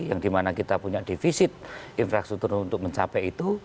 yang dimana kita punya defisit infrastruktur untuk mencapai itu